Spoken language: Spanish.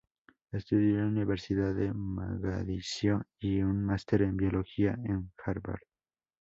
Estudió en la Universidad de Mogadiscio y un máster en biología en Harvard.